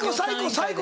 最高！